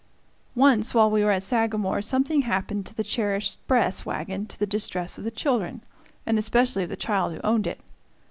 Once while we were at Sagamore something happened to the cherished "'spress" wagon to the distress of the children, and especially of the child who owned it.